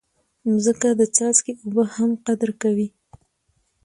مځکه د څاڅکي اوبه هم قدر کوي.